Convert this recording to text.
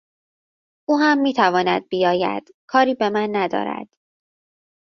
او هم میتواند بیاید; کاری به من ندارد.